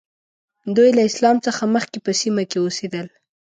دوی له اسلام څخه مخکې په سیمه کې اوسېدل.